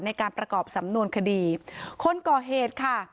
ในการประกอบสำนวนคดีคนก่อเหตุค่ะ